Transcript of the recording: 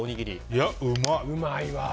いや、うまい。